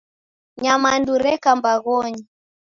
Nyamandu reka mbaghonyi